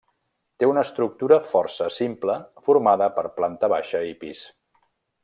Té una estructura força simple formada per planta baixa i pis.